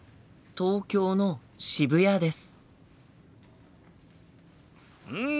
「東京の渋谷です」。